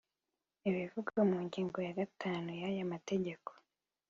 ibivugwa mu ngingo ya gatanu y’aya mategeko